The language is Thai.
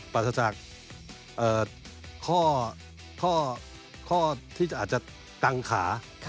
ปราศจากข้อที่อาจจะกังขา